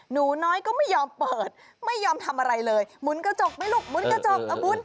หนูน้อยก็ไม่ยอมเปิดไม่ยอมทำอะไรเลยหมุนกระจกไหมลูกหมุนกระจกหมุน